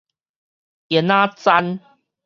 煙仔罾